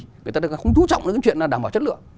người ta không chú trọng đến cái chuyện là đảm bảo chất lượng